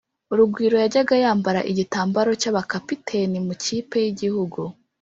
rugwiro yajyaga yambara igitambaro cy’abakapiteni mu ikipe y’igihugu